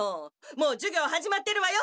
もう授業始まってるわよ！